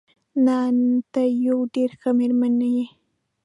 نه، ته یوه ډېره ښه مېرمن یې.